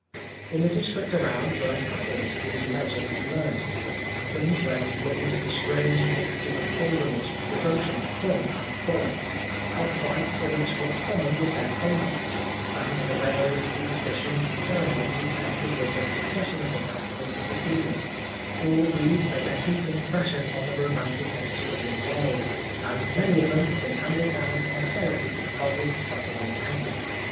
In the district around were castles, whose legends he learned, patterns, where he witnessed the strange mixture of pilgrimage, devotion, fun and frolic ; cockfights for which Roscommon was then famous ; and the various superstitions and ceremonies connected with the succession of the festivals of the season — all these made a deep impression on the romantic nature of young Wilde, and many of them have lO The Life of Oscar Wilde been handed down to posterity by his facile pen."